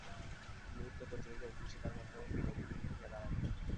মুহূর্তে-প্রজ্বলিত অগ্নিশিখার মতো বিনোদিনী উঠিয়া দাঁড়াইল।